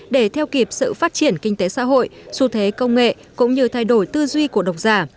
để theo kịp sự phát triển kinh tế xã hội xu thế công nghệ cũng như thay đổi tư duy của độc giả